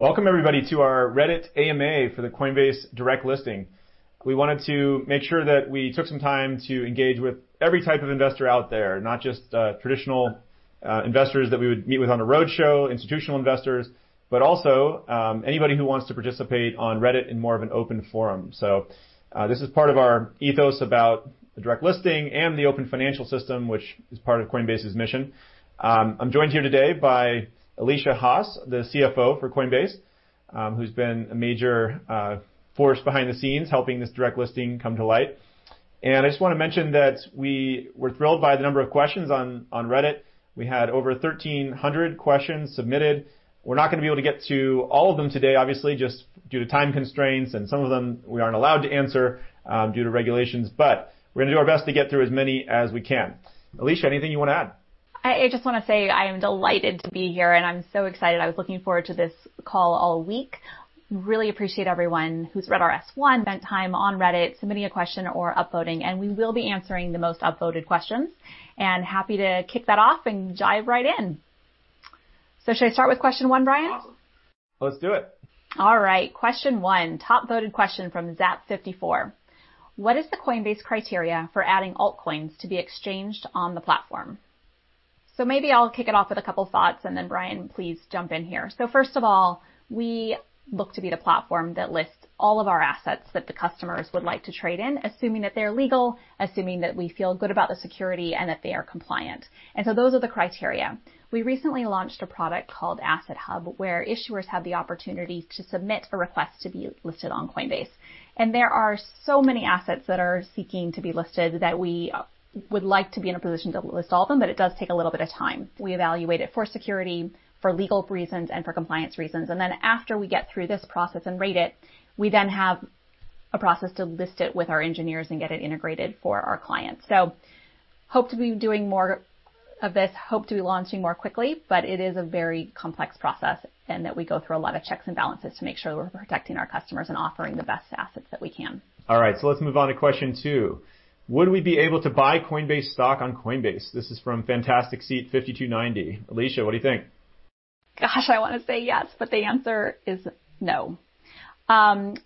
Welcome everybody to our Reddit AMA for the Coinbase Direct Listing. We wanted to make sure that we took some time to engage with every type of investor out there, not just traditional investors that we would meet with on a roadshow, institutional investors, but also anybody who wants to participate on Reddit in more of an open forum. This is part of our ethos about the direct listing and the open financial system, which is part of Coinbase's mission. I'm joined here today by Alesia Haas, the CFO for Coinbase, who's been a major force behind the scenes helping this direct listing come to light. I just wanna mention that we were thrilled by the number of questions on Reddit. We had over 1,300 questions submitted. We're not gonna be able to get to all of them today, obviously, just due to time constraints, and some of them we aren't allowed to answer due to regulations. We're gonna do our best to get through as many as we can. Alesia, anything you wanna add? I just wanna say I am delighted to be here, and I'm so excited. I was looking forward to this call all week. I really appreciate everyone who's read our S-1, spent time on Reddit submitting a question or upvoting, and we will be answering the most upvoted questions, and happy to kick that off and dive right in. Should I start with question one, Brian? Awesome. Let's do it. All right. Question one, top voted question from Zap Fifty-four: What is the Coinbase criteria for adding altcoins to be exchanged on the platform? Maybe I'll kick it off with couple thoughts and then Brian, please jump in here. First of all, we look to be the platform that lists all of our assets that the customers would like to trade in, assuming that they're legal, assuming that we feel good about the security and that they are compliant. Those are the criteria. We recently launched a product called Asset Hub, where issuers have the opportunity to submit a request to be listed on Coinbase. There are so many assets that are seeking to be listed that we would like to be in a position to list all of them, but it does take a little bit of time. We evaluate it for security, for legal reasons, and for compliance reasons. After we get through this process and rate it, we then have a process to list it with our engineers and get it integrated for our clients. Hope to be doing more of this, hope to be launching more quickly, but it is a very complex process in that we go through a lot of checks and balances to make sure we're protecting our customers and offering the best assets that we can. All right, let's move on to question two. Would we be able to buy Coinbase stock on Coinbase? This is from Fantastic Seat 5290. Alesia, what do you think? Gosh, I wanna say yes, but the answer is no.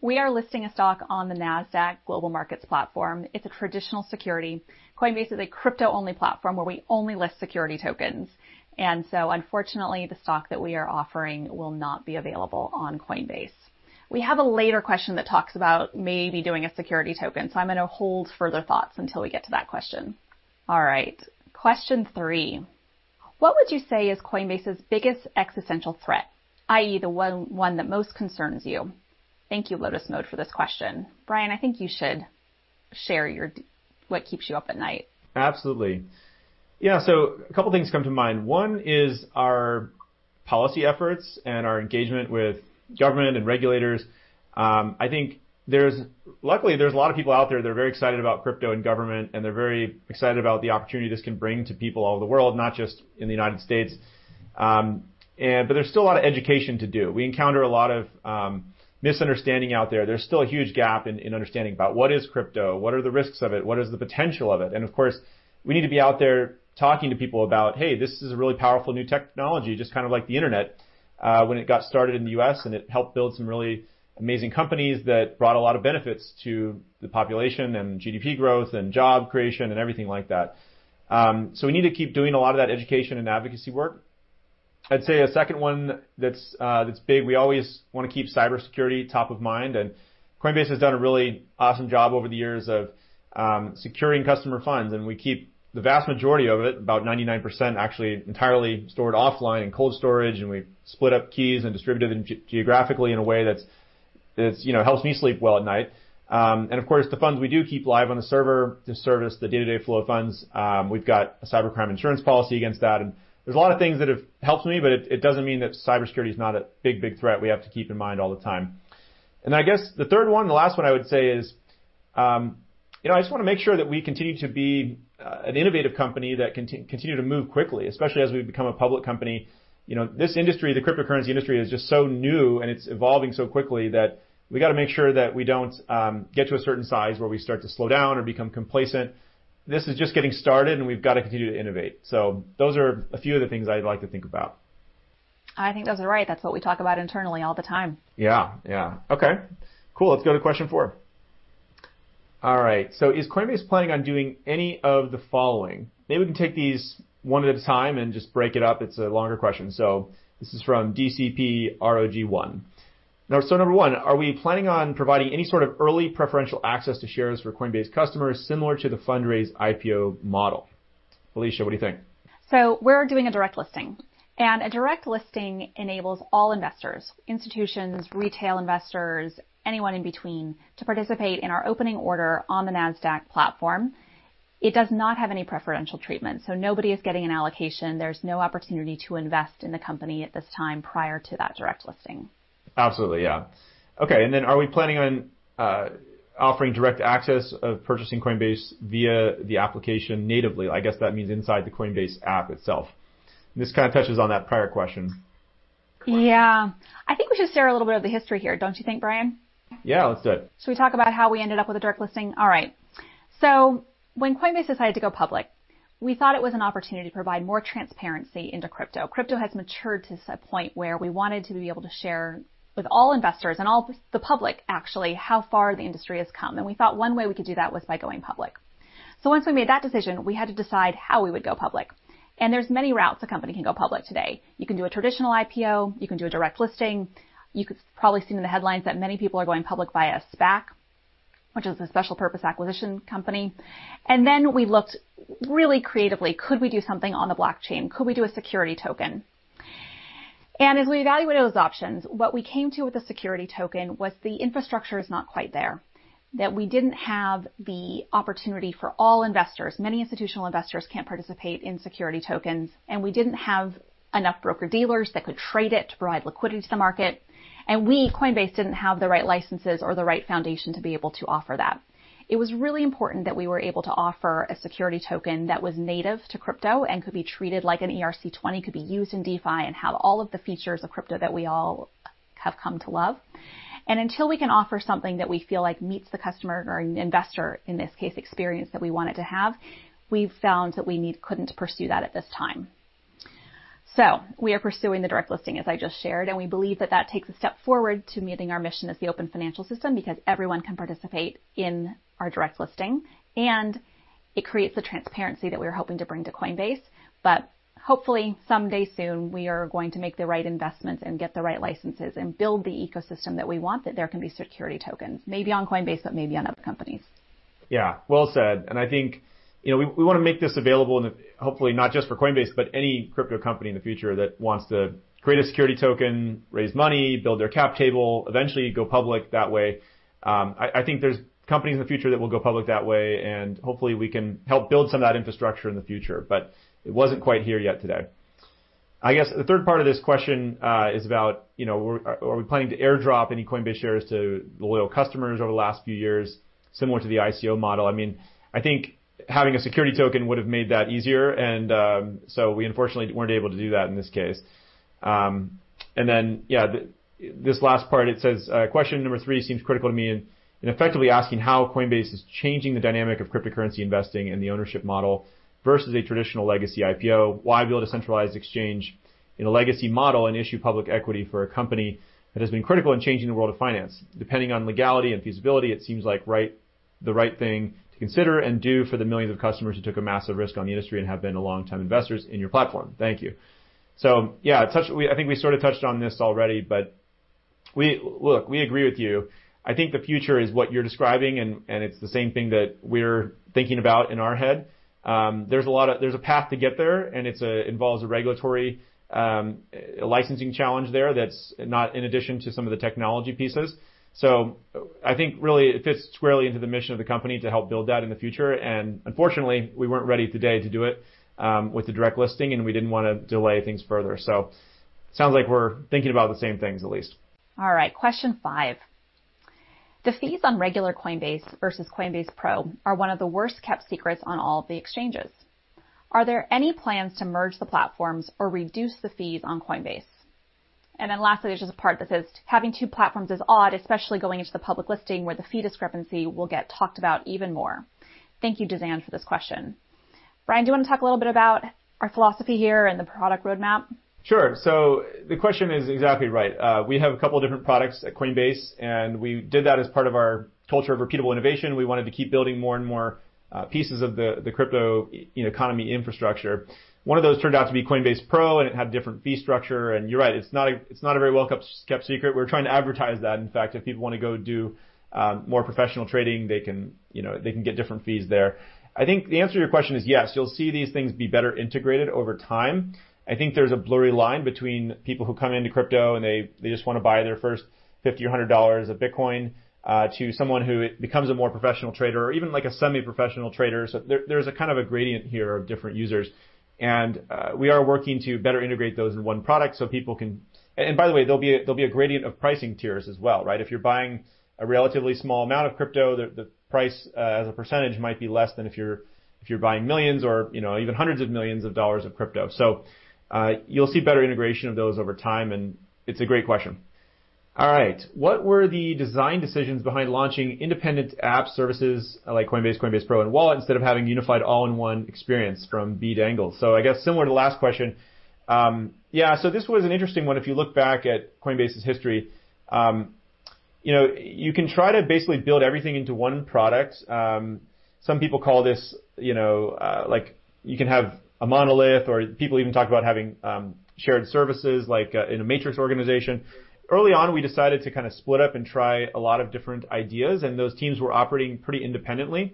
We are listing a stock on the Nasdaq Global Market platform. It's a traditional security. Coinbase is a crypto-only platform where we only list security tokens. Unfortunately, the stock that we are offering will not be available on Coinbase. We have a later question that talks about maybe doing a security token. I'm gonna hold further thoughts until we get to that question. All right. Question three: What would you say is Coinbase's biggest existential threat, i.e., the one that most concerns you? Thank you, Lotus Mode, for this question. Brian, I think you should share your what keeps you up at night. Absolutely. A couple things come to mind. One is our policy efforts and our engagement with government and regulators. I think luckily, there's a lot of people out there that are very excited about crypto and government, and they're very excited about the opportunity this can bring to people all over the world, not just in the United States. There's still a lot of education to do. We encounter a lot of misunderstanding out there. There's still a huge gap in understanding about what is crypto? What are the risks of it? What is the potential of it? Of course, we need to be out there talking to people about, hey, this is a really powerful new technology, just kind of like the internet, when it got started in the U.S., and it helped build some really amazing companies that brought a lot of benefits to the population and GDP growth and job creation and everything like that. We need to keep doing a lot of that education and advocacy work. I'd say a second one that's that's big, we always wanna keep cybersecurity top of mind. Coinbase has done a really awesome job over the years of securing customer funds, and we keep the vast majority of it, about 99%, actually entirely stored offline in cold storage, and we split up keys and distribute it geographically in a way that's, you know, helps me sleep well at night. Of course, the funds we do keep live on the server to service the day-to-day flow of funds. We've got a cybercrime insurance policy against that. There's a lot of things that have helped me, but it doesn't mean that cybersecurity is not a big threat we have to keep in mind all the time. I guess the third one, the last one I would say is, you know, I just wanna make sure that we continue to be an innovative company that continue to move quickly, especially as we become a public company. This industry, the cryptocurrency industry, is just so new and it's evolving so quickly that we gotta make sure that we don't get to a certain size where we start to slow down or become complacent. This is just getting started, and we've got to continue to innovate. Those are a few of the things I like to think about. I think those are right. That's what we talk about internally all the time. Yeah. Yeah. Okay. Cool. Let's go to question four. All right. Is Coinbase planning on doing any of the following? Maybe we can take these one at a time and just break it up. It's a longer question. This is from DCP ROG 1. Number one, are we planning on providing any sort of early preferential access to shares for Coinbase customers similar to the Fundrise IPO model? Alesia, what do you think? We're doing a direct listing. A direct listing enables all investors, institutions, retail investors, anyone in between, to participate in our opening order on the Nasdaq platform. It does not have any preferential treatment, so nobody is getting an allocation. There's no opportunity to invest in the company at this time prior to that direct listing. Absolutely, yeah. Okay, are we planning on offering direct access of purchasing Coinbase via the application natively? I guess that means inside the Coinbase app itself. This kind of touches on that prior question. Yeah. I think we should share a little bit of the history here, don't you think, Brian? Yeah, let's do it. Should we talk about how we ended up with a direct listing? All right. When Coinbase decided to go public, we thought it was an opportunity to provide more transparency into crypto. Crypto has matured to a point where we wanted to be able to share with all investors and all the public actually how far the industry has come, and we thought one way we could do that was by going public. Once we made that decision, we had to decide how we would go public, and there's many routes a company can go public today. You can do a traditional IPO. You can do a direct listing. You could probably see in the headlines that many people are going public via SPAC, which is a special purpose acquisition company. We looked really creatively, could we do something on the blockchain? Could we do a security token? As we evaluated those options, what we came to with the security token was the infrastructure is not quite there, that we didn't have the opportunity for all investors. Many institutional investors can't participate in security tokens, and we didn't have enough broker-dealers that could trade it to provide liquidity to the market. We, Coinbase, didn't have the right licenses or the right foundation to be able to offer that. It was really important that we were able to offer a security token that was native to crypto and could be treated like an ERC-20, could be used in DeFi, and have all of the features of crypto that we all have come to love. Until we can offer something that we feel like meets the customer or investor, in this case, experience that we want it to have, we've found that we couldn't pursue that at this time. We are pursuing the direct listing, as I just shared, and we believe that that takes a step forward to meeting our mission as the open financial system because everyone can participate in our direct listing, and it creates the transparency that we're hoping to bring to Coinbase. Hopefully someday soon, we are going to make the right investments and get the right licenses and build the ecosystem that we want, that there can be security tokens, maybe on Coinbase, but maybe on other companies. Yeah, well said. I think, you know, we wanna make this available and hopefully not just for Coinbase, but any crypto company in the future that wants to create a security token, raise money, build their cap table, eventually go public that way. I think there's companies in the future that will go public that way, hopefully we can help build some of that infrastructure in the future. It wasn't quite here yet today. I guess the third part of this question is about, you know, are we planning to airdrop any Coinbase shares to loyal customers over the last few years, similar to the ICO model? I mean, I think having a security token would've made that easier, we unfortunately weren't able to do that in this case. Then, yeah, this last part, it says, "Question number three seems critical to me in effectively asking how Coinbase is changing the dynamic of cryptocurrency investing and the ownership model versus a traditional legacy IPO. Why build a centralized exchange in a legacy model and issue public equity for a company that has been critical in changing the world of finance? Depending on legality and feasibility, it seems like the right thing to consider and do for the millions of customers who took a massive risk on the industry and have been long-time investors in your platform. Thank you." Yeah, we, I think we sort of touched on this already, but look, we agree with you. I think the future is what you're describing, and it's the same thing that we're thinking about in our head. There's a path to get there, and it involves a regulatory licensing challenge there that's not in addition to some of the technology pieces. I think really it fits squarely into the mission of the company to help build that in the future, and unfortunately, we weren't ready today to do it with the direct listing, and we didn't wanna delay things further. Sounds like we're thinking about the same things at least. All right, question five: "The fees on regular Coinbase versus Coinbase Pro are one of the worst-kept secrets on all of the exchanges. Are there any plans to merge the platforms or reduce the fees on Coinbase?" Then lastly, there's just a part that says, "Having two platforms is odd, especially going into the public listing where the fee discrepancy will get talked about even more." Thank you, Dizanne, for this question. Brian, do you wanna talk a little bit about our philosophy here and the product roadmap? Sure. The question is exactly right. We have a couple different products at Coinbase, and we did that as part of our culture of repeatable innovation. We wanted to keep building more and more pieces of the crypto e-economy infrastructure. One of those turned out to be Coinbase Pro, and it had different fee structure. You're right, it's not a very well-kept secret. We're trying to advertise that, in fact. If people wanna go do more professional trading, they can, you know, they can get different fees there. I think the answer to your question is yes, you'll see these things be better integrated over time. I think there's a blurry line between people who come into crypto, and they just wanna buy their first $50-$100 of Bitcoin, to someone who becomes a more professional trader or even, like, a semi-professional trader. There's a kind of a gradient here of different users, and we are working to better integrate those in one product. And by the way, there'll be a gradient of pricing tiers as well, right? If you're buying a relatively small amount of crypto, the price as a percentage might be less than if you're buying millions or, you know, even hundreds of millions of dollars of crypto. You'll see better integration of those over time, and it's a great question. All right. What were the design decisions behind launching independent app services like Coinbase Pro, and Wallet instead of having a unified all-in-one experience from B Dangles? I guess similar to the last question. Yeah, this was an interesting one if you look back at Coinbase's history. You know, you can try to basically build everything into one product. Some people call this, you know, like you can have a monolith, or people even talk about having shared services like in a matrix organization. Early on, we decided to kind of split up and try a lot of different ideas, and those teams were operating pretty independently.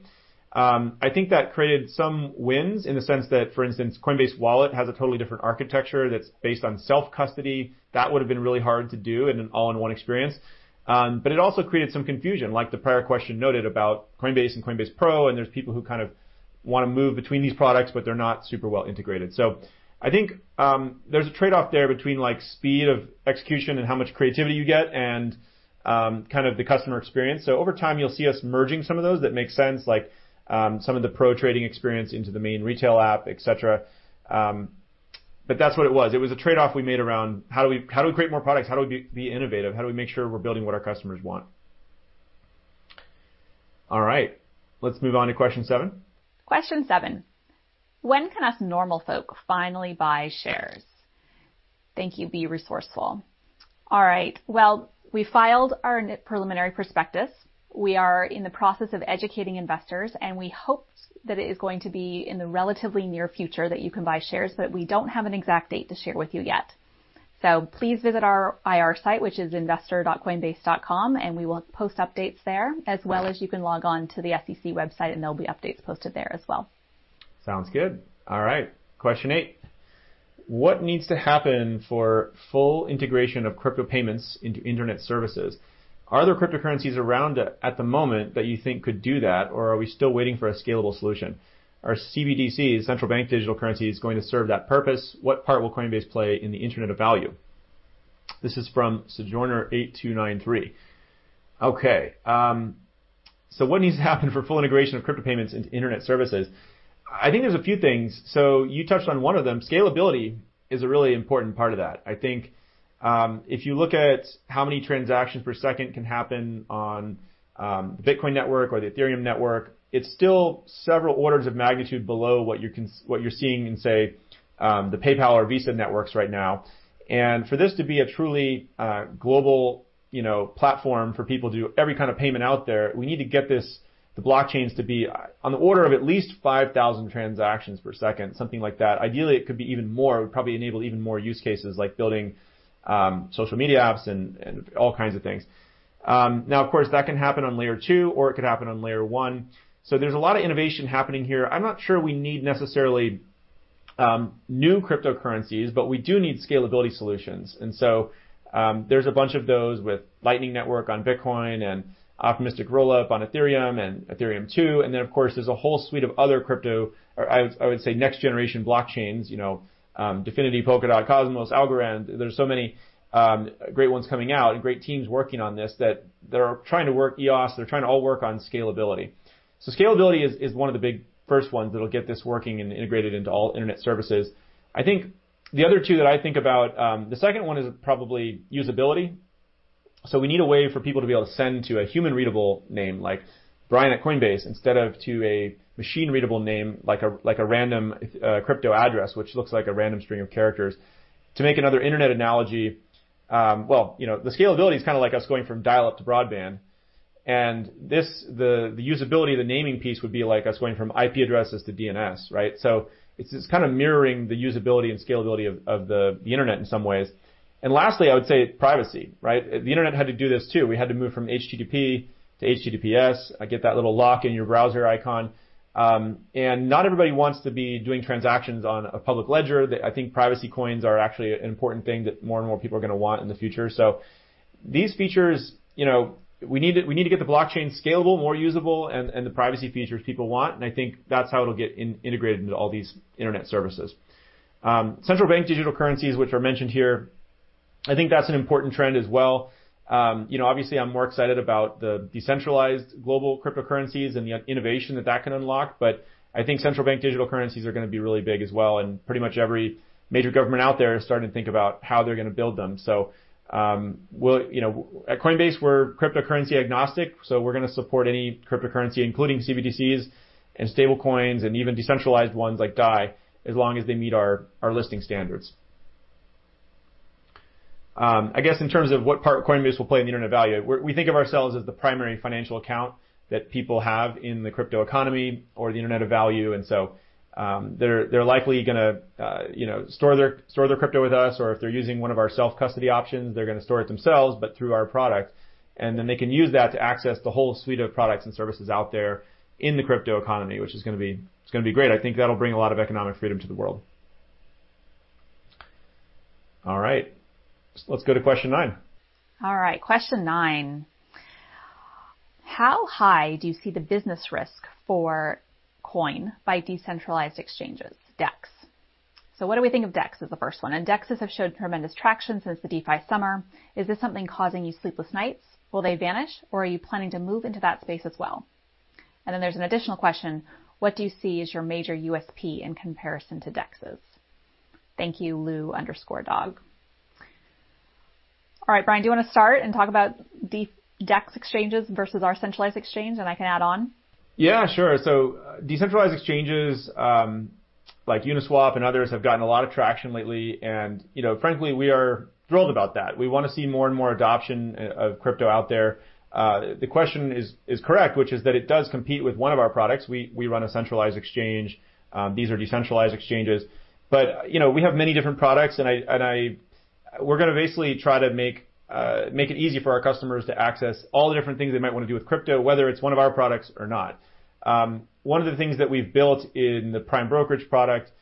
I think that created some wins in the sense that, for instance, Coinbase Wallet has a totally different architecture that's based on self-custody. That would've been really hard to do in an all-in-one experience. It also created some confusion, like the prior question noted about Coinbase and Coinbase Pro, and there's people who kind of wanna move between these products, but they're not super well integrated. I think there's a trade-off there between, like, speed of execution and how much creativity you get and kind of the customer experience. Over time, you'll see us merging some of those that make sense, like some of the Pro trading experience into the main retail app, et cetera. That's what it was. It was a trade-off we made around how do we create more products? How do we be innovative? How do we make sure we're building what our customers want? All right, let's move on to question seven. Question 7: "When can us normal folk finally buy shares? Thank you, Be Resourceful." All right. We filed our preliminary prospectus. We are in the process of educating investors, and we hope that it is going to be in the relatively near future that you can buy shares, but we don't have an exact date to share with you yet. Please visit our IR site, which is investor.coinbase.com, and we will post updates there, as well as you can log on to the SEC website, and there'll be updates posted there as well. Sounds good. All right, question eight. What needs to happen for full integration of crypto payments into internet services? Are there cryptocurrencies around at the moment that you think could do that, or are we still waiting for a scalable solution? Are CBDCs, central bank digital currencies, going to serve that purpose? What part will Coinbase play in the internet of value? This is from Sojourner 8293. Okay, what needs to happen for full integration of crypto payments into internet services? I think there's a few things. You touched on one of them. Scalability is a really important part of that. I think, if you look at how many transactions per second can happen on the Bitcoin network or the Ethereum network, it's still several orders of magnitude below what you're seeing in, say, the PayPal or Visa networks right now. For this to be a truly global, you know, platform for people to do every kind of payment out there, we need to get this, the blockchains to be on the order of at least 5,000 transactions per second, something like that. Ideally, it could be even more. It would probably enable even more use cases like building social media apps and all kinds of things. Now, of course, that can happen on Layer 2, or it could happen on Layer 1. There's a lot of innovation happening here. I'm not sure we need necessarily new cryptocurrencies, but we do need scalability solutions. There's a bunch of those with Lightning Network on Bitcoin and Optimistic Rollup on Ethereum and Ethereum 2.0. Of course, there's a whole suite of other next-generation blockchains, you know, Dfinity, Polkadot, Cosmos, Algorand. There's so many great ones coming out and great teams working on this that EOS, they're trying to all work on scalability. Scalability is one of the big first ones that'll get this working and integrated into all internet services. I think the other two that I think about, the second one is probably usability. We need a way for people to be able to send to a human-readable name like Brian at Coinbase instead of to a machine-readable name like a random crypto address, which looks like a random string of characters. To make another internet analogy, well, you know, the scalability is kind of like us going from dial-up to broadband. The usability, the naming piece would be like us going from IP addresses to DNS, right? It's kind of mirroring the usability and scalability of the internet in some ways. Lastly, I would say privacy, right? The internet had to do this, too. We had to move from HTTP to HTTPS, get that little lock in your browser icon. Not everybody wants to be doing transactions on a public ledger. I think privacy coins are actually an important thing that more and more people are gonna want in the future. These features, you know, we need to get the blockchain scalable, more usable and the privacy features people want, and I think that'll get integrated into all these internet services. Central bank digital currencies, which are mentioned here, I think that's an important trend as well. You know, obviously, I'm more excited about the decentralized global cryptocurrencies and the innovation that that can unlock, I think central bank digital currencies are gonna be really big as well, pretty much every major government out there is starting to think about how they're gonna build them. You know, at Coinbase, we're cryptocurrency agnostic, we're gonna support any cryptocurrency, including CBDCs and stablecoins and even decentralized ones like Dai as long as they meet our listing standards. I guess in terms of what part Coinbase will play in the internet of value, we think of ourselves as the primary financial account that people have in the crypto economy or the internet of value. They're likely gonna, you know, store their crypto with us, or if they're using one of our self-custody options, they're gonna store it themselves, but through our product. They can use that to access the whole suite of products and services out there in the crypto economy, which is gonna be great. I think that'll bring a lot of economic freedom to the world. All right. Let's go to question nine. All right, question nine. How high do you see the business risk for Coinbase decentralized exchanges, DEX? What do we think of DEX is the first one? DEXs have shown tremendous traction since the DeFi summer. Is this something causing you sleepless nights? Will they vanish, or are you planning to move into that space as well? There's an additional question: What do you see as your major USP in comparison to DEXs? Thank you, Lou_dog. All right, Brian, do you wanna start and talk about DEX exchanges versus our centralized exchange, and I can add on? Yeah, sure. Decentralized exchanges, like Uniswap and others, have gotten a lot of traction lately. You know, frankly, we are thrilled about that. We wanna see more and more adoption of crypto out there. The question is correct, which is that it does compete with one of our products. We run a centralized exchange. These are decentralized exchanges. You know, we have many different products, we're gonna basically try to make it easy for our customers to access all the different things they might wanna do with crypto, whether it's one of our products or not. One of the things that we've built in the Coinbase Prime product,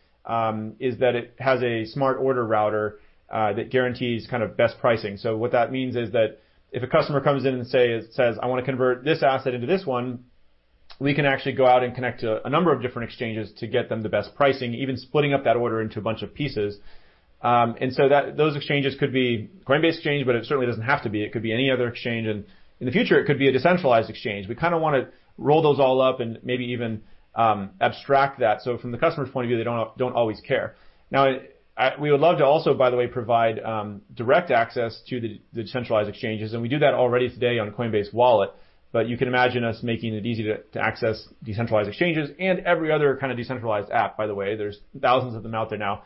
is that it has a smart order router that guarantees kind of best pricing. What that means is that if a customer comes in and says, "I wanna convert this asset into this one," we can actually go out and connect to a number of different exchanges to get them the best pricing, even splitting up that order into a bunch of pieces. Those exchanges could be Coinbase Exchange, but it certainly doesn't have to be. It could be any other exchange, and in the future, it could be a decentralized exchange. We kinda wanna roll those all up and maybe even abstract that, so from the customer's point of view, they don't always care. Now, we would love to also, by the way, provide direct access to the decentralized exchanges, and we do that already today on Coinbase Wallet. You can imagine us making it easy to access decentralized exchanges and every other kind of decentralized app, by the way, there's thousands of them out there now,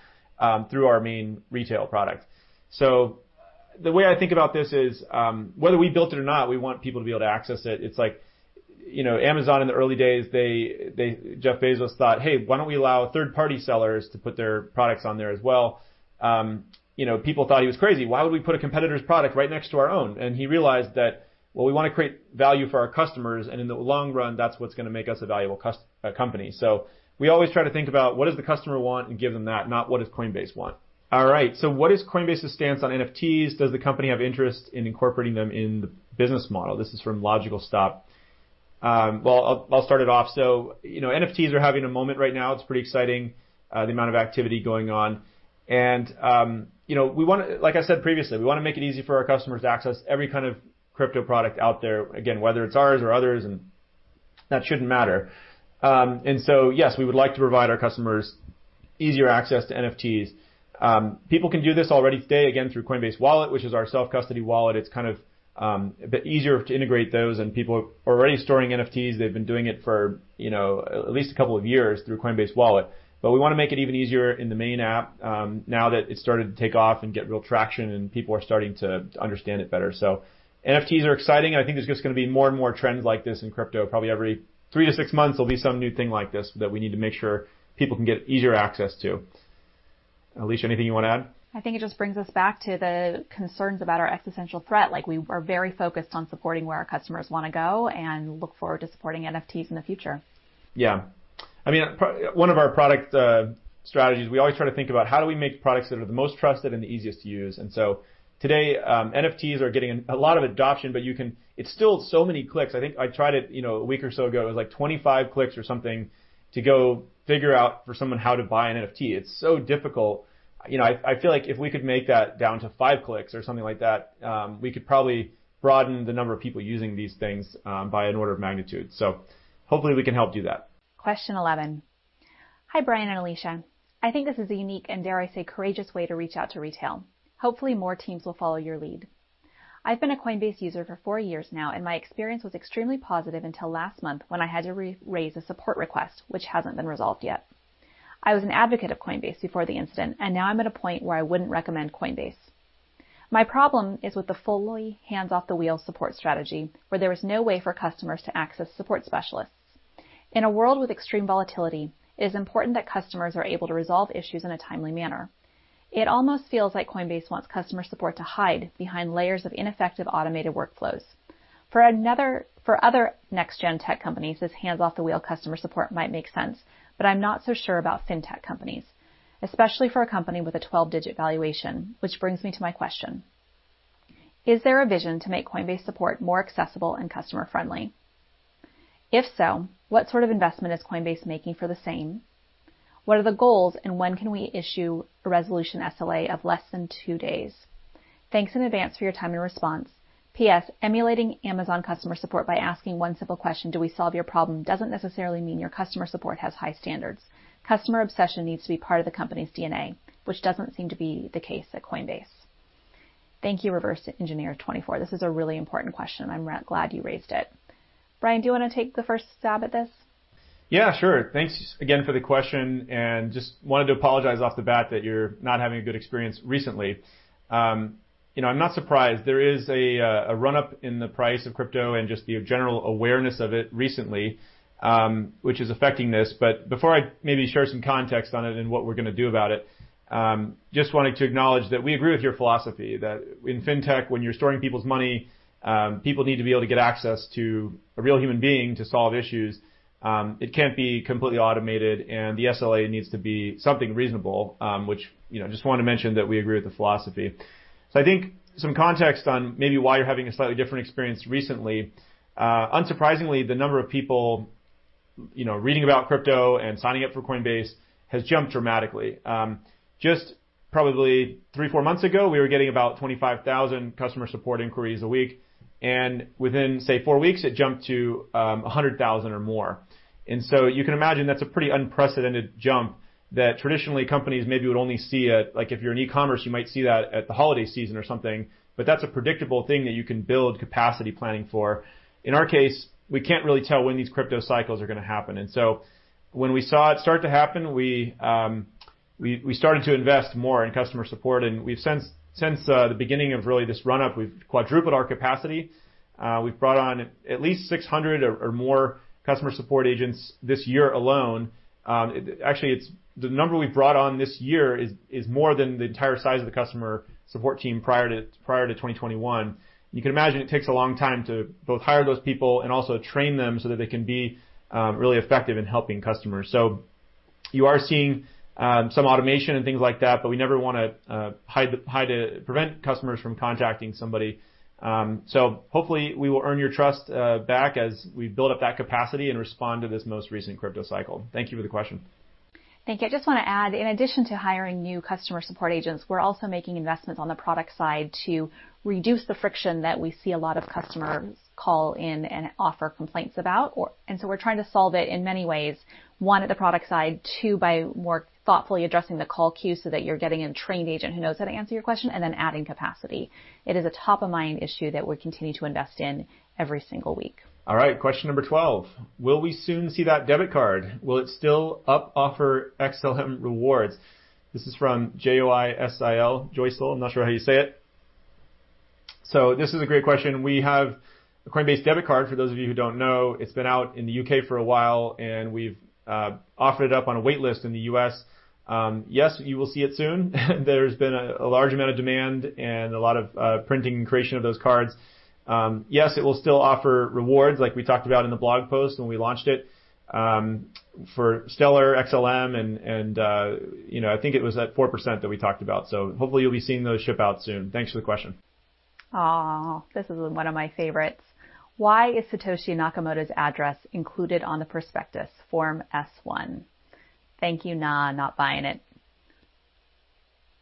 through our main retail product. The way I think about this is, whether we built it or not, we want people to be able to access it. It's like, you know, Amazon in the early days, Jeff Bezos thought, "Hey, why don't we allow third-party sellers to put their products on there as well?" You know, people thought he was crazy. Why would we put a competitor's product right next to our own? He realized that, well, we wanna create value for our customers, and in the long run, that's what's gonna make us a valuable company. We always try to think about what does the customer want and give them that, not what does Coinbase want. All right. "What is Coinbase's stance on NFTs?" Does the company have interest in incorporating them in the business model? This is from Logical Stop. Well, I'll start it off. You know, NFTs are having a moment right now. It's pretty exciting, the amount of activity going on. You know, like I said previously, we wanna make it easy for our customers to access every kind of crypto product out there, again, whether it's ours or others, and that shouldn't matter. Yes, we would like to provide our customers easier access to NFTs. People can do this already today, again, through Coinbase Wallet, which is our self-custody wallet. It's kind of a bit easier to integrate those, and people are already storing NFTs. They've been doing it for, you know, at least couple of years through Coinbase Wallet. We wanna make it even easier in the main app, now that it's started to take off and get real traction, and people are starting to understand it better. NFTs are exciting, and I think there's just gonna be more and more trends like this in crypto. Probably every three or six months, there'll be some new thing like this that we need to make sure people can get easier access to. Alesia, anything you wanna add? I think it just brings us back to the concerns about our existential threat. Like, we are very focused on supporting where our customers wanna go and look forward to supporting NFTs in the future. Yeah. I mean, one of our product strategies, we always try to think about how do we make products that are the most trusted and the easiest to use. Today, NFTs are getting a lot of adoption, but it's still so many clicks. I think I tried it, you know, a week or so ago. It was, like, 25 clicks or something to go figure out for someone how to buy an NFT. It's so difficult. You know, I feel like if we could make that down to five clicks or something like that, we could probably broaden the number of people using these things by an order of magnitude. Hopefully we can help do that. Question 11: "Hi, Brian and Alesia. I think this is a unique, and dare I say, courageous way to reach out to retail. Hopefully, more teams will follow your lead. I've been a Coinbase user for four years now, and my experience was extremely positive until last month when I had to re-raise a support request, which hasn't been resolved yet. I was an advocate of Coinbase before the incident, and now I'm at a point where I wouldn't recommend Coinbase. My problem is with the fully hands-off-the-wheel support strategy, where there is no way for customers to access support specialists. In a world with extreme volatility, it is important that customers are able to resolve issues in a timely manner. It almost feels like Coinbase wants customer support to hide behind layers of ineffective automated workflows. For other next-gen tech companies, this hands-off-the-wheel customer support might make sense, but I'm not so sure about fintech companies, especially for a company with a 12-digit valuation. Which brings me to my question: Is there a vision to make Coinbase support more accessible and customer-friendly? If so, what sort of investment is Coinbase making for the same? What are the goals, and when can we issue a resolution SLA of less than two days? Thanks in advance for your time and response. PS, emulating Amazon customer support by asking one simple question, 'Do we solve your problem?' doesn't necessarily mean your customer support has high standards. Customer obsession needs to be part of the company's DNA, which doesn't seem to be the case at Coinbase." Thank you, ReversedEngineer24. This is a really important question. I'm glad you raised it. Brian, do you wanna take the first stab at this? Yeah, sure. Thanks again for the question, and just wanted to apologize off the bat that you're not having a good experience recently. You know, I'm not surprised. There is a run-up in the price of crypto and just the general awareness of it recently, which is affecting this. Before I maybe share some context on it and what we're gonna do about it, just wanted to acknowledge that we agree with your philosophy that in fintech, when you're storing people's money, people need to be able to get access to a real human being to solve issues. It can't be completely automated, and the SLA needs to be something reasonable, which, you know, just wanted to mention that we agree with the philosophy. I think some context on maybe why you're having a slightly different experience recently, unsurprisingly, the number of people, you know, reading about crypto and signing up for Coinbase has jumped dramatically. Just probably three, four months ago, we were getting about 25,000 customer support inquiries a week, and within, say, four weeks, it jumped to 100,000 or more. You can imagine that's a pretty unprecedented jump that traditionally companies maybe would only see if you're in e-commerce, you might see that at the holiday season or something, but that's a predictable thing that you can build capacity planning for. In our case, we can't really tell when these crypto cycles are gonna happen. When we saw it start to happen, we started to invest more in customer support, and we've since the beginning of really this run-up, we've quadrupled our capacity. We've brought on at least 600 or more customer support agents this year alone. Actually the number we've brought on this year is more than the entire size of the customer support team prior to 2021. You can imagine it takes a long time to both hire those people and also train them so that they can be really effective in helping customers. You are seeing some automation and things like that, but we never wanna prevent customers from contacting somebody. Hopefully we will earn your trust back as we build up that capacity and respond to this most recent crypto cycle. Thank you for the question. Thank you. I just wanna add, in addition to hiring new customer support agents, we're also making investments on the product side to reduce the friction that we see a lot of customers call in and offer complaints about. We're trying to solve it in many ways, one, at the product side, two, by more thoughtfully addressing the call queue so that you're getting a trained agent who knows how to answer your question, and then adding capacity. It is a top-of-mind issue that we continue to invest in every single week. All right, question number 12: "Will we soon see that debit card? Will it still offer XLM rewards?" This is from J-O-I-S-I-L, Joisil. I'm not sure how you say it. This is a great question. We have a Coinbase debit card, for those of you who don't know. It's been out in the U.K. for a while, and we've offered it up on a wait list in the U.S. Yes, you will see it soon. There's been a large amount of demand and a lot of printing and creation of those cards. Yes, it will still offer rewards, like we talked about in the blog post when we launched it, for Stellar, XLM, and, you know, I think it was at 4% that we talked about. Hopefully you'll be seeing those ship out soon. Thanks for the question. This is one of my favorites. "Why is Satoshi Nakamoto's address included on the prospectus Form S-1? Thank you, Nah, not buying it."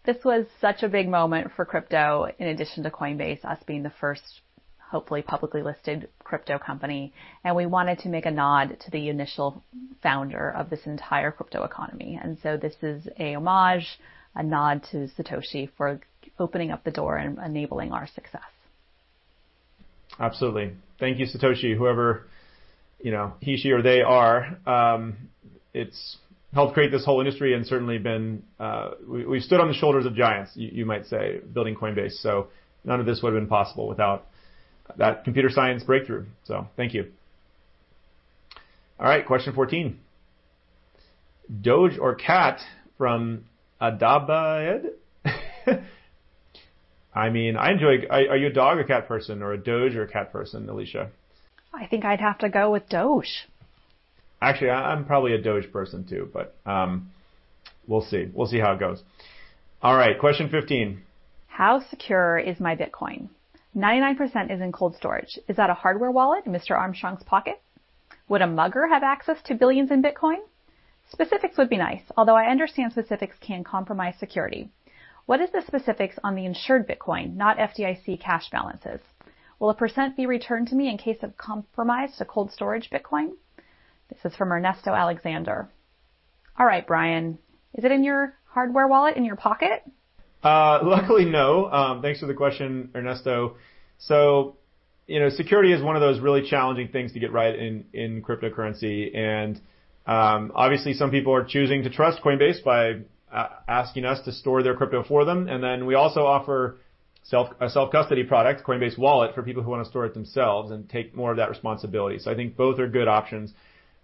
This was such a big moment for crypto, in addition to Coinbase, us being the first, hopefully, publicly listed crypto company, and we wanted to make a nod to the initial founder of this entire crypto economy. This is a homage, a nod to Satoshi for opening up the door and enabling our success. Absolutely. Thank you, Satoshi. Whoever, you know, he, she, or they are, it's helped create this whole industry and certainly been We stood on the shoulders of giants, you might say, building Coinbase. None of this would've been possible without that computer science breakthrough. Thank you. All right, question 14. "Dogecoin or cat?" From Adabaed. I mean, Are you a dog or cat person or a Dogecoin or cat person, Alesia? I think I'd have to go with Dogecoin. Actually, I'm probably a Dogecoin person too, but we'll see. We'll see how it goes. All right, question 15. How secure is my Bitcoin? 99% is in cold storage. Is that a hardware wallet in Mr. Armstrong's pocket? Would a mugger have access to $1 billions in Bitcoin? Specifics would be nice, although I understand specifics can compromise security. What is the specifics on the insured Bitcoin, not FDIC cash balances? Will a percent be returned to me in case of compromised cold storage Bitcoin? This is from Ernesto Alexander. All right, Brian, is it in your hardware wallet in your pocket? Luckily, no. Thanks for the question, Ernesto. You know, security is one of those really challenging things to get right in cryptocurrency. Obviously, some people are choosing to trust Coinbase by asking us to store their crypto for them. And then we also offer a self-custody product, Coinbase Wallet, for people who wanna store it themselves and take more of that responsibility. I think both are good options.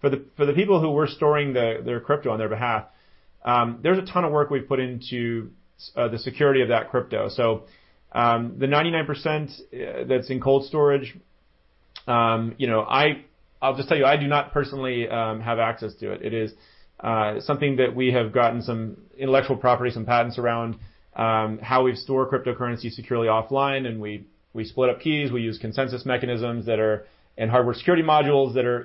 For the people who we're storing their crypto on their behalf, there's a ton of work we've put into the security of that crypto. The 99% that's in cold storage, you know, I'll just tell you, I do not personally have access to it. It is something that we have gotten some intellectual property, some patents around how we store cryptocurrency securely offline, and we split up keys. We use consensus mechanisms that are in hardware security modules that are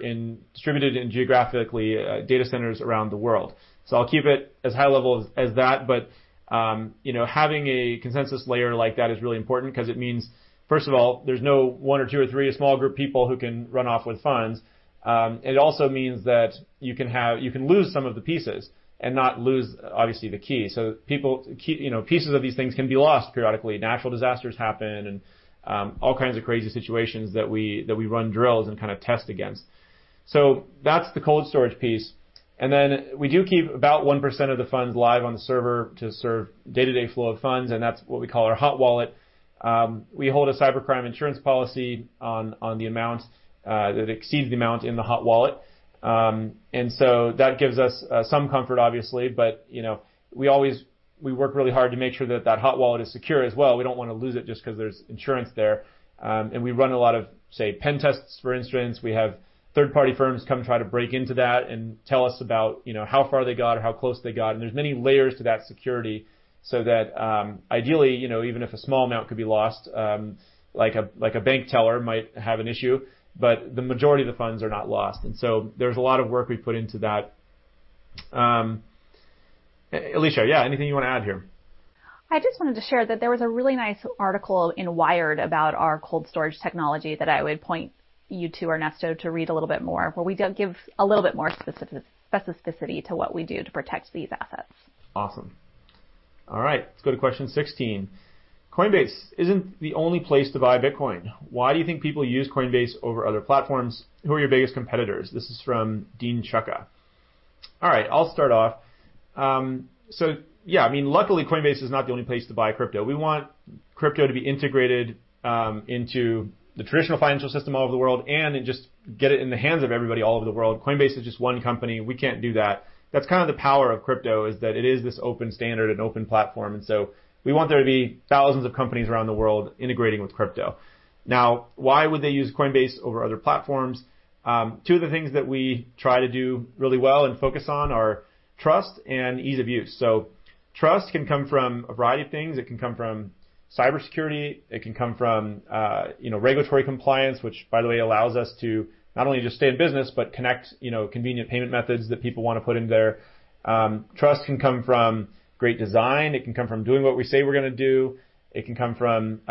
distributed in geographically data centers around the world. I'll keep it as high level as that. You know, having a consensus layer like that is really important 'cause it means, first of all, there's no one or two or three, a small group of people who can run off with funds. It also means that you can lose some of the pieces and not lose, obviously, the key. People, you know, pieces of these things can be lost periodically. Natural disasters happen and all kinds of crazy situations that we run drills and kind of test against. That's the cold storage piece. We do keep about 1% of the funds live on the server to serve day-to-day flow of funds, and that's what we call our hot wallet. We hold a cybercrime insurance policy on the amount that exceeds the amount in the hot wallet. That gives us some comfort, obviously. You know, we work really hard to make sure that that hot wallet is secure as well. We don't wanna lose it just 'cause there's insurance there. We run a lot of, say, penetration testing, for instance. We have third-party firms come try to break into that and tell us about, you know, how far they got or how close they got. There's many layers to that security, so that, ideally, you know, even if a small amount could be lost, like a bank teller might have an issue, but the majority of the funds are not lost. There's a lot of work we put into that. Alesia, yeah, anything you wanna add here? I just wanted to share that there was a really nice article in Wired about our cold storage technology that I would point you to, Ernesto, to read a little bit more, where we do give a little bit more specificity to what we do to protect these assets. Awesome. All right. Let's go to question 16. "Coinbase isn't the only place to buy Bitcoin. Why do you think people use Coinbase over other platforms? Who are your biggest competitors?" This is from Dean Chukka. All right, I'll start off. Yeah, I mean, luckily, Coinbase is not the only place to buy crypto. We want crypto to be integrated into the traditional financial system all over the world and just get it in the hands of everybody all over the world. Coinbase is just one company. We can't do that. That's kind of the power of crypto, is that it is this open standard and open platform. We want there to be thousands of companies around the world integrating with crypto. Now, why would they use Coinbase over other platforms? Two of the things that we try to do really well and focus on are trust and ease of use. Trust can come from a variety of things. It can come from cybersecurity. It can come from, you know, regulatory compliance, which by the way, allows us to not only just stay in business, but connect, you know, convenient payment methods that people wanna put in there. Trust can come from great design. It can come from doing what we say we're gonna do. It can come from,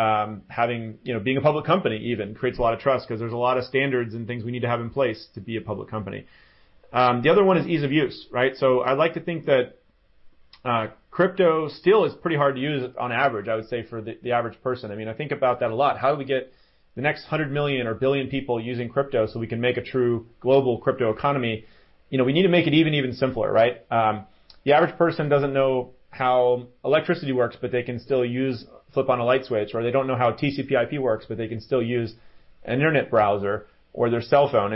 you know, being a public company even creates a lot of trust 'cause there's a lot of standards and things we need to have in place to be a public company. The other one is ease of use, right? I like to think that crypto still is pretty hard to use on average, I would say, for the average person. I mean, I think about that a lot. How do we get the next 100 million or 1 billion people using crypto so we can make a true global crypto economy, you know, we need to make it even simpler, right? The average person doesn't know how electricity works, but they can still flip on a light switch, or they don't know how TCP/IP works, but they can still use an internet browser or their cell phone.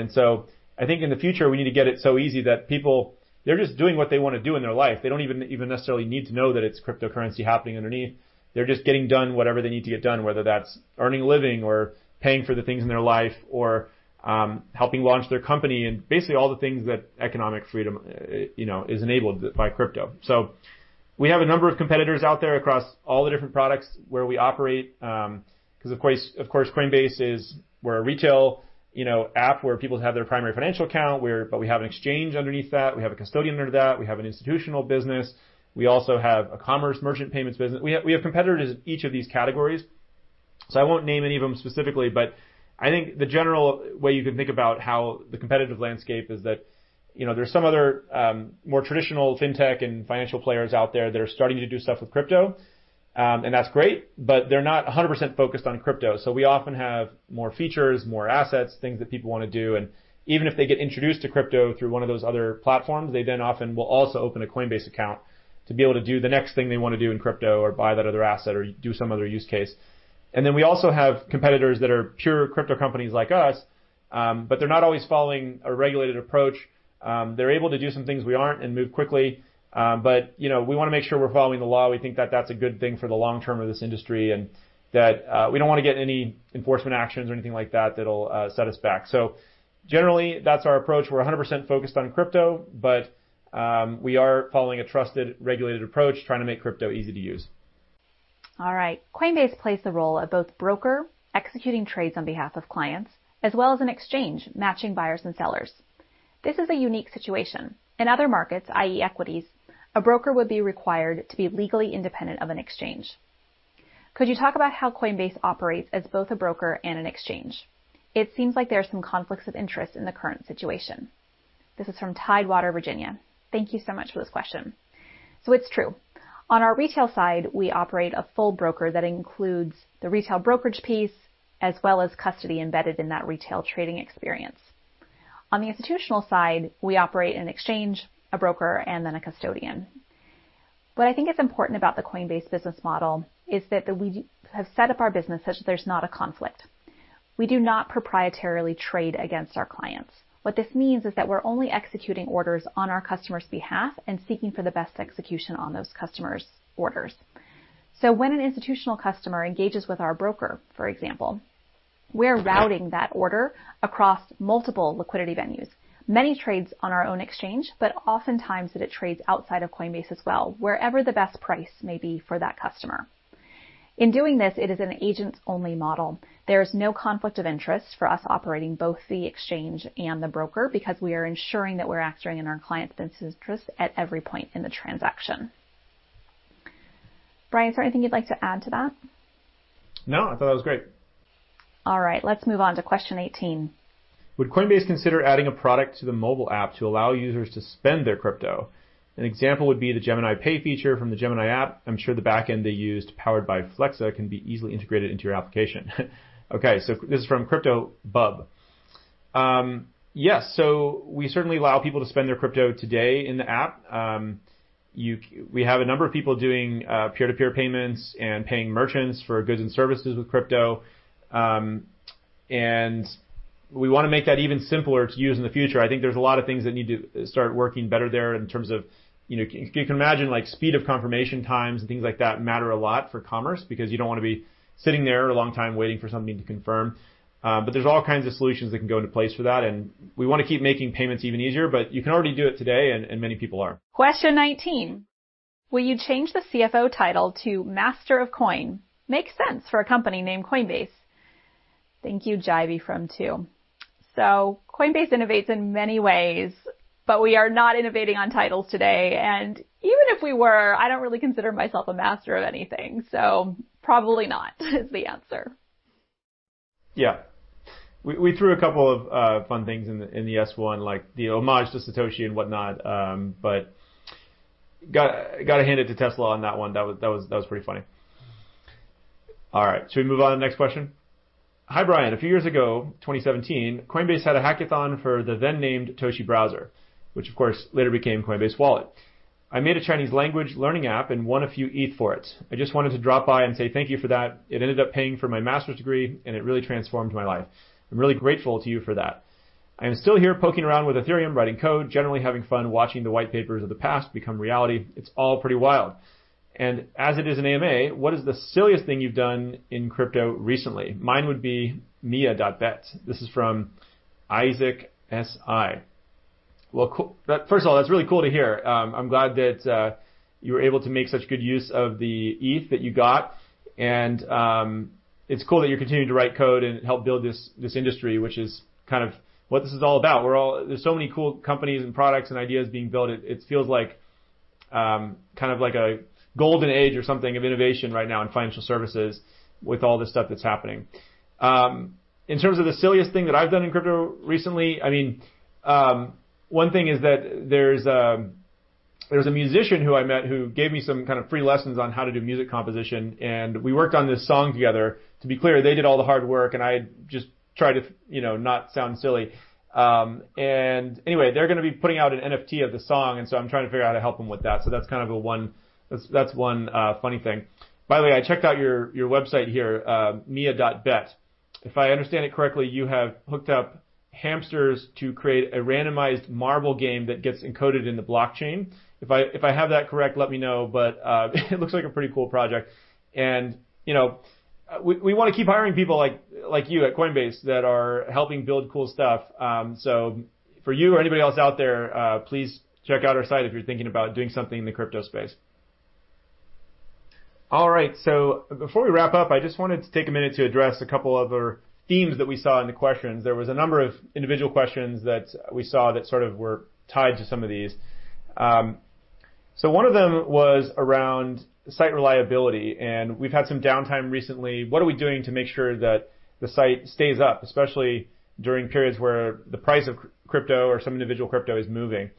I think in the future, we need to get it so easy that people, they're just doing what they wanna do in their life. They don't even necessarily need to know that it's cryptocurrency happening underneath. They're just getting done whatever they need to get done, whether that's earning a living or paying for the things in their life or helping launch their company and basically all the things that economic freedom, you know, is enabled by crypto. We have a number of competitors out there across all the different products where we operate, 'cause of course, Coinbase is we're a retail, you know, app where people have their primary financial account. We have an exchange underneath that. We have a custodian under that. We have an institutional business. We also have a commerce merchant payments business. We have competitors in each of these categories, so I won't name any of them specifically, but I think the general way you can think about how the competitive landscape is that, you know, there's some other more traditional fintech and financial players out there that are starting to do stuff with crypto, and that's great, but they're not 100% focused on crypto. We often have more features, more assets, things that people wanna do. Even if they get introduced to crypto through one of those other platforms, they then often will also open a Coinbase account to be able to do the next thing they wanna do in crypto or buy that other asset or do some other use case. We also have competitors that are pure crypto companies like us, but they're not always following a regulated approach. They're able to do some things we aren't and move quickly. You know, we wanna make sure we're following the law. We think that that's a good thing for the long term of this industry, we don't wanna get any enforcement actions or anything like that that'll set us back. Generally, that's our approach. We're 100% focused on crypto, we are following a trusted, regulated approach, trying to make crypto easy to use. All right. "Coinbase plays the role of both broker, executing trades on behalf of clients, as well as an exchange, matching buyers and sellers. This is a unique situation. In other markets, i.e. equities, a broker would be required to be legally independent of an exchange. Could you talk about how Coinbase operates as both a broker and an exchange? It seems like there are some conflicts of interest in the current situation." This is from Tidewater, Virginia. Thank you so much for this question. It's true. On our retail side, we operate a full broker that includes the retail brokerage piece as well as custody embedded in that retail trading experience. On the institutional side, we operate an exchange, a broker, and then a custodian. What I think is important about the Coinbase business model is that we have set up our business such that there's not a conflict. We do not proprietarily trade against our clients. What this means is that we're only executing orders on our customer's behalf and seeking for the best execution on those customers' orders. When an institutional customer engages with our broker, for example, we're routing that order across multiple liquidity venues, many trades on our own exchange, but oftentimes that it trades outside of Coinbase as well, wherever the best price may be for that customer. In doing this, it is an agent-only model. There is no conflict of interest for us operating both the exchange and the broker because we are ensuring that we're acting in our client's best interest at every point in the transaction. Brian, is there anything you'd like to add to that? No, I thought that was great. All right. Let's move on to question 18. Would Coinbase consider adding a product to the mobile app to allow users to spend their crypto? An example would be the Gemini Pay feature from the Gemini app. I am sure the backend they used, powered by Flexa, can be easily integrated into your application. Okay. This is from Crypto Bub. Yes. We certainly allow people to spend their crypto today in the app. We have a number of people doing peer-to-peer payments and paying merchants for goods and services with crypto. We wanna make that even simpler to use in the future. I think there's a lot of things that need to start working better there in terms of, you know, you can imagine, like, speed of confirmation times and things like that matter a lot for commerce because you don't wanna be sitting there a long time waiting for something to confirm. There's all kinds of solutions that can go into place for that, and we wanna keep making payments even easier, but you can already do it today and many people are. Question 19: "Will you change the CFO title to Master of Coin? Makes sense for a company named Coinbase." Thank you, Jivy from Two. Coinbase innovates in many ways, but we are not innovating on titles today, and even if we were, I don't really consider myself a master of anything, so probably not is the answer. Yeah. We, we threw a couple of fun things in the S-1, like the homage to Satoshi and whatnot, but gotta hand it to Tesla on that one. That was pretty funny. All right. Should we move on to the next question? "Hi, Brian. A few years ago, 2017, Coinbase had a hackathon for the then-named Toshi Browser, which of course later became Coinbase Wallet. I made a Chinese language learning app and won a few Eth for it. I just wanted to drop by and say thank you for that. It ended up paying for my master's degree, and it really transformed my life. I'm really grateful to you for that. I am still here poking around with Ethereum, writing code, generally having fun watching the white papers of the past become reality. It's all pretty wild. As it is an AMA, what is the silliest thing you've done in crypto recently? Mine would be mia.bet." This is from Isaac SI. Well, cool. First of all, that's really cool to hear. I'm glad that you were able to make such good use of the Eth that you got, and it's cool that you're continuing to write code and help build this industry, which is kind of what this is all about. There's so many cool companies and products and ideas being built. It feels like kind of like a golden age or something of innovation right now in financial services with all the stuff that's happening. In terms of the silliest thing that I've done in crypto recently, I mean, one thing is that there was a musician who I met who gave me some kind of free lessons on how to do music composition, and we worked on this song together. To be clear, they did all the hard work, and I just tried to, you know, not sound silly. Anyway, they're gonna be putting out an NFT of the song, and so I'm trying to figure out how to help them with that. That's one funny thing. By the way, I checked out your website here, mia.bet. If I understand it correctly, you have hooked up hamsters to create a randomized marble game that gets encoded in the blockchain. If I have that correct, let me know. It looks like a pretty cool project. You know, we wanna keep hiring people like you at Coinbase that are helping build cool stuff. For you or anybody else out there, please check out our site if you're thinking about doing something in the crypto space. All right, before we wrap up, I just wanted to take a minute to address couple of other themes that we saw in the questions. There was a number of individual questions that we saw that sort of were tied to some of these. One of them was around site reliability, and we've had some downtime recently. What are we doing to make sure that the site stays up, especially during periods where the price of crypto or some individual crypto is moving?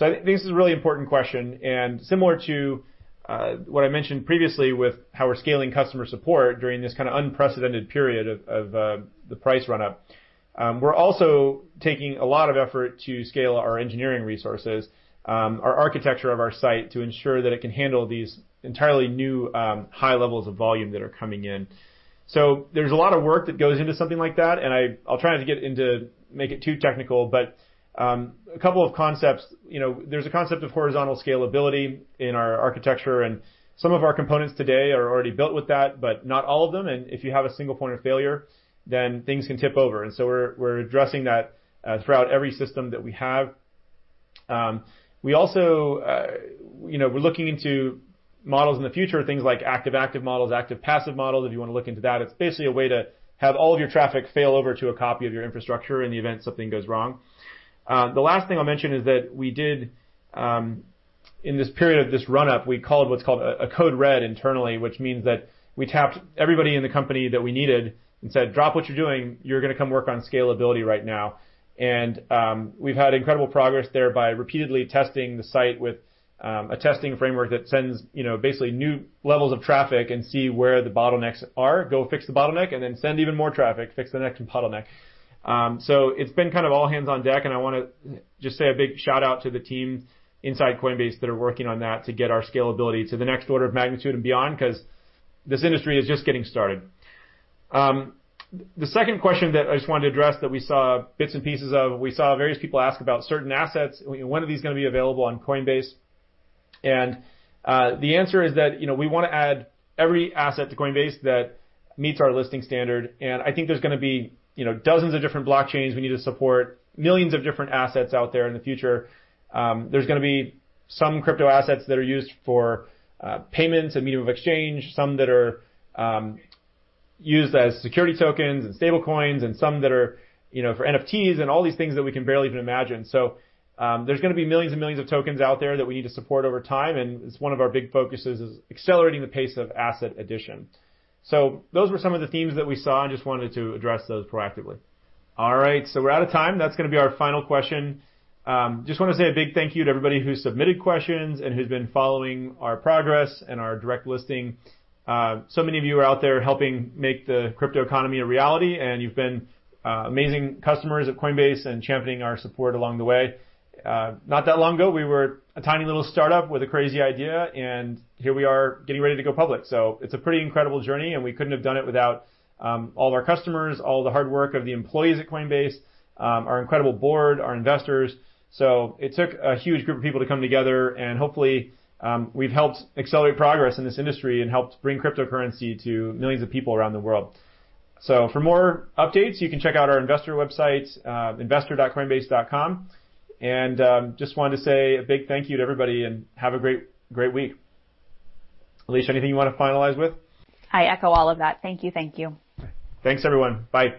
I think this is a really important question, and similar to what I mentioned previously with how we're scaling customer support during this kind of unprecedented period of the price run-up. We're also taking a lot of effort to scale our engineering resources, our architecture of our site to ensure that it can handle these entirely new, high levels of volume that are coming in. There's a lot of work that goes into something like that, and I'll try not to get into make it too technical, but two concepts. You know, there's a concept of horizontal scalability in our architecture, and some of our components today are already built with that, but not all of them. If you have a single point of failure, then things can tip over. We're addressing that throughout every system that we have. We also, you know, we're looking into models in the future, things like active-active models, active-passive models, if you wanna look into that. It's basically a way to have all of your traffic fail over to a copy of your infrastructure in the event something goes wrong. The last thing I'll mention is that we did, in this period of this run-up, we called what's called a code red internally, which means that we tapped everybody in the company that we needed and said, "Drop what you're doing. You're gonna come work on scalability right now." We've had incredible progress there by repeatedly testing the site with a testing framework that sends, you know, basically new levels of traffic and see where the bottlenecks are. Go fix the bottleneck, then send even more traffic. Fix the next bottleneck. It's been kind of all hands on deck, I want to just say a big shout-out to the team inside Coinbase that are working on that to get our scalability to the next order of magnitude and beyond, 'cause this industry is just getting started. The second question that I just wanted to address that we saw bits and pieces of, we saw various people ask about certain assets. When are these going to be available on Coinbase? The answer is that, you know, we want to add every asset to Coinbase that meets our listing standard. I think there's going to be, you know, dozens of different blockchains we need to support, millions of different assets out there in the future. There's gonna be some crypto assets that are used for payments and medium of exchange, some that are used as security tokens and stablecoins, and some that are, you know, for NFTs and all these things that we can barely even imagine. There's gonna be millions and millions of tokens out there that we need to support over time, and it's one of our big focuses is accelerating the pace of asset addition. Those were some of the themes that we saw, and just wanted to address those proactively. All right, we're out of time. That's gonna be our final question. Just wanna say a big thank you to everybody who submitted questions and who's been following our progress and our direct listing. Many of you are out there helping make the crypto economy a reality, and you've been amazing customers at Coinbase and championing our support along the way. Not that long ago, we were a tiny little startup with a crazy idea, and here we are getting ready to go public. It's a pretty incredible journey, and we couldn't have done it without all of our customers, all the hard work of the employees at Coinbase, our incredible board, our investors. It took a huge group of people to come together, and hopefully, we've helped accelerate progress in this industry and helped bring cryptocurrency to millions of people around the world. For more updates, you can check out our investor website, investor.coinbase.com. Just wanted to say a big thank you to everybody, and have a great week. Alesia, anything you wanna finalize with? I echo all of that. Thank you. Thank you. Thanks, everyone. Bye.